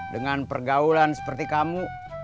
dengan pergaulan seperti kamu